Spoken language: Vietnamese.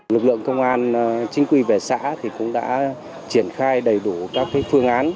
lực lượng công an chính quy về xã cũng đã triển khai đầy đủ các phương án